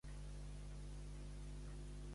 La melodia que està sonant ara és odiosa.